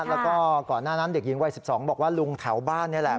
แล้วก็ก่อนหน้านั้นเด็กหญิงวัย๑๒บอกว่าลุงแถวบ้านนี่แหละ